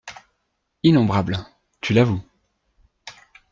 Innombrables !… tu l’avoues !…